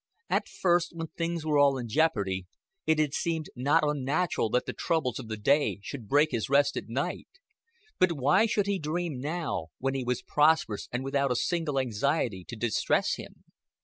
At first, when things were all in jeopardy, it had seemed not unnatural that the troubles of the day should break his rest at night; but why should he dream now, when he was prosperous and without a single anxiety to distress him?